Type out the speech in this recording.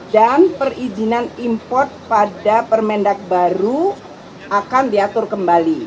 dan perizinan import pada permendak baru akan diatur kembali